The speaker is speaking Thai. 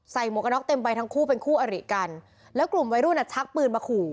หมวกกระน็อกเต็มใบทั้งคู่เป็นคู่อริกันแล้วกลุ่มวัยรุ่นอ่ะชักปืนมาขู่